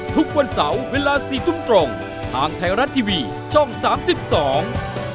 ทุกวันเสาร์เวลา๔ตรงทางไทยรัดทีวีช่อง๓๒